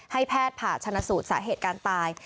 ให้แพทย์ผ่าชนะสูตรสาเหตุการตาย